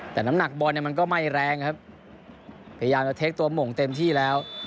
แต่น้ำหนักบอลเนี่ยมันก็ไม่แรงครับพยายามจะเทคตัวหม่งเต็มที่แล้ว